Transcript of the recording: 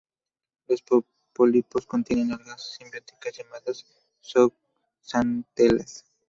Los pólipos contienen algas simbióticas llamadas zooxantelas.